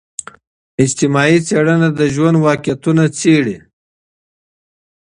اجتماعي څېړنه د ژوند واقعتونه څیړي.